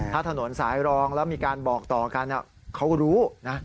ถ้าถนนสายรองแล้วมีการบอกต่อกันเขารู้นะ